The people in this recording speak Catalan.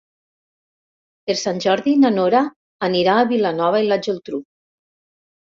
Per Sant Jordi na Nora anirà a Vilanova i la Geltrú.